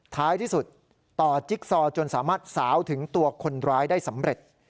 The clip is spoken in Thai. ท้ายที่สุดต่อจิ๊กซอจนสามารถสาวถึงตัวคนร้ายได้สำเร็จ